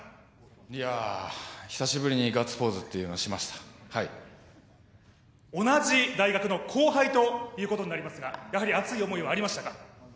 いや久しぶりにガッツポーズっていうのをしました同じ大学の後輩ということになりますがやはり熱い思いはありましたか。